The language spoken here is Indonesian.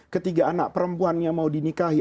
ketika anak perempuannya mau dinikahi